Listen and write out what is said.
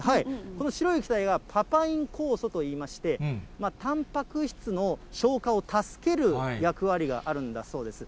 この白い液体がパパイン酵素といいまして、たんぱく質の消化を助ける役割があるんだそうです。